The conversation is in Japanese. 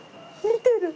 見てる！